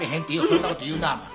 そんなこと言うなお前。